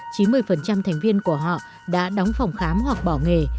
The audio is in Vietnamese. chín mươi thành viên của họ đã đóng phòng khám hoặc bỏ nghề